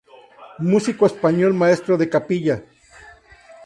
Músico español, maestro de capilla.